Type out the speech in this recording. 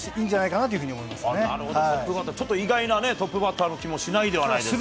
なるほど、ちょっと意外なトップバッターの気がしないでもないですけど。